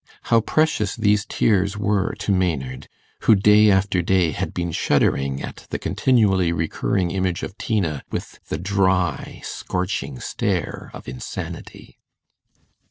How precious these tears were to Maynard, who day after day had been shuddering at the continually recurring image of Tina with the dry scorching stare of insanity!